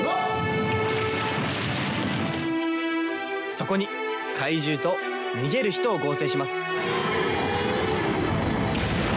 そこに怪獣と逃げる人を合成します。